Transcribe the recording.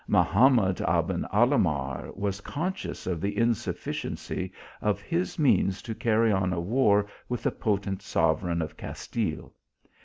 Mahamad Aben Alahmar was conscious of the insufficiency of his means to carry on a war with the potent sovereign of Castile.